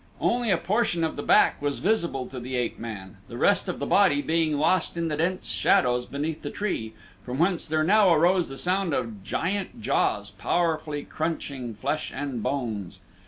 Only a portion of the back was visible to the ape man, the rest of the body being lost in the dense shadows beneath the tree, from whence there now arose the sound of giant jaws powerfully crunching flesh and bones.